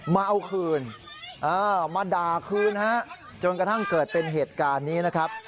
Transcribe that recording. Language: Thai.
มาเอาคืนมาด่าคืนฮะจนกระทั่งเกิดเป็นเหตุการณ์นี้นะครับ